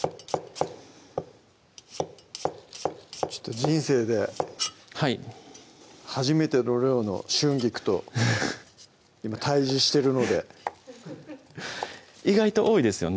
ちょっと人生ではい初めての量の春菊と今対峙してるので意外と多いですよね